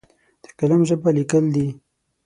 د قلم ژبه لیکل دي!